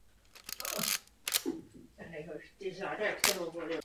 Lodě této třídy se kromě vědeckých a průzkumných misí účastnily i různých válečných konfliktů.